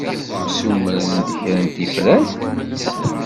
Ssumren-d kra n tifrat?